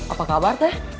apa kabar teh